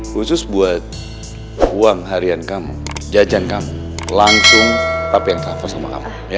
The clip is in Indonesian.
khusus buat uang harian kamu jajan kamu langsung tapi yang cover sama kamu